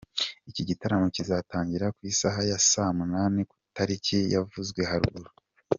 Iki gitaramo kizatangira ku isaha ya saa munani ku itariki yavuzwe haruguru.